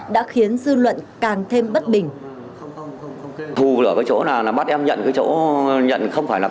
đã khiến dư luận càng thêm bất bình